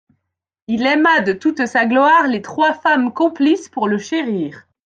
Il aima de toute sa gloire les trois femmes complices pour le chérir.